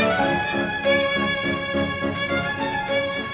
aku akan melakukan tes dna